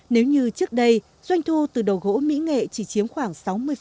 nếu như trước đây doanh thu từ đồ gỗ mỹ nghệ chỉ chiếm khoảng sáu mươi